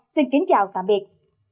xin kính chào tạm biệt